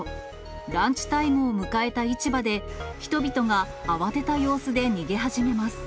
ランチタイムを迎えた市場で、人々が慌てた様子で逃げ始めます。